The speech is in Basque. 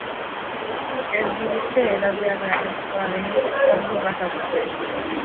Ez du uste edatea beharrezkoa denik ongi pasatzeko.